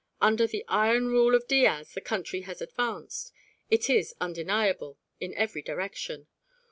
Under the iron rule of Diaz the country has advanced, it is undeniable, in every direction.